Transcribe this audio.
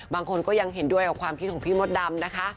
บางคนก็ยังเห็นด้วยกับความคิดของพี่มดดำนะคะ